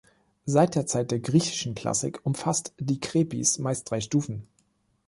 Seit der Zeit der griechischen Klassik umfasst die Krepis meist drei Stufen.